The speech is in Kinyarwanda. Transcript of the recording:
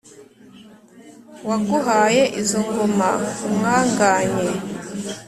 waguhaye izo ngoma umwanganye,